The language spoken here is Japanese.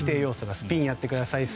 スピンやってください